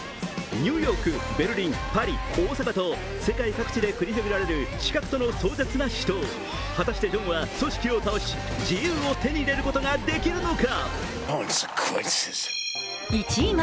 ニューヨーク、ベルリン、パリ、大阪と世界各地で繰り広げられる刺客との壮絶な死闘果たしてジョンは組織を倒し、自由を手に入れることができるのか。